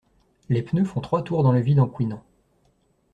Les pneus font trois tours dans le vide en couinant.